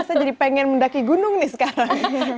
saya jadi pengen mendaki gunung nih sekarang